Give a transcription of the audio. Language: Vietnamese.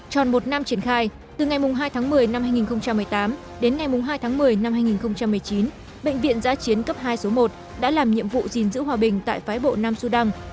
tròn một năm triển khai từ ngày hai tháng một mươi năm hai nghìn một mươi tám đến ngày hai tháng một mươi năm hai nghìn một mươi chín bệnh viện giã chiến cấp hai số một đã làm nhiệm vụ gìn giữ hòa bình tại phái bộ nam sudan